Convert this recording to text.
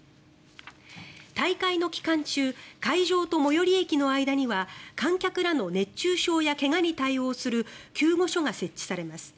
大会の期間中会場と最寄り駅の間には観客らの熱中症や怪我に対応する救護所が設置されます。